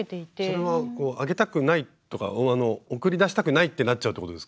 それはあげたくないとか送り出したくないってなっちゃうってことですか？